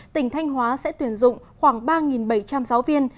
tỉnh thanh hóa sẽ tuyển dụng khoảng ba bảy trăm linh giáo viên